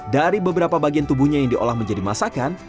dari beberapa bagian tubuhnya yang diolah menjadi masakan